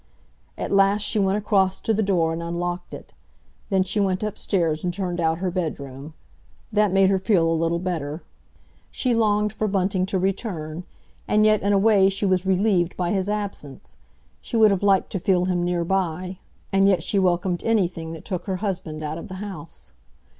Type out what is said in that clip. At last she went across to the door and unlocked it. Then she went upstairs and turned out her bedroom. That made her feel a little better. She longed for Bunting to return, and yet in a way she was relieved by his absence. She would have liked to feel him near by, and yet she welcomed anything that took her husband out of the house.